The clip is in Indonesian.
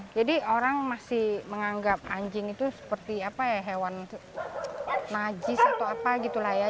jadi orang masih menganggap anjing itu seperti hewan najis atau apa gitu lah ya